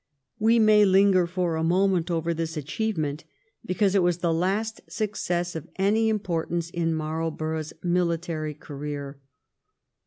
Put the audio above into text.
We may Hnger for a moment over this achieve ment, because it was the last success of any import ance in Marlborough's military career.